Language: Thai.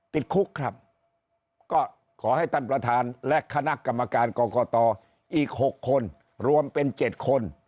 ติดคุกครับก็ขอให้ท่านประธานและคณะกรรมการกรกตอีก๖คนรวมเป็น๗คน